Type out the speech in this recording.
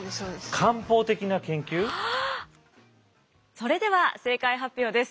それでは正解発表です。